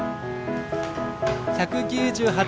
１９８！あ。